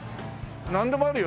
なんでもあるよ。